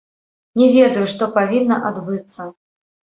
Не ведаю, што павінна адбыцца.